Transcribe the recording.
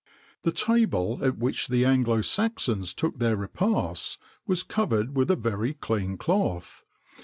[XXIX 74] The table at which the Anglo Saxons took their repasts, was covered with a very clean cloth.